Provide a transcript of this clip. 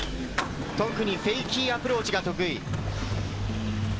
特にフェイキーアプローチが得意。